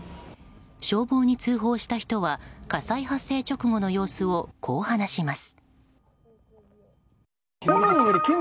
消防に通報した人は火災発生直後の様子をこう話します。